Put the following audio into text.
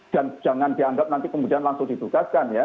dan jangan dianggap nanti kemudian langsung ditugaskan ya